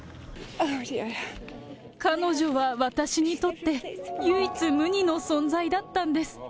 彼女は私にとって、唯一無二の存在だったんです。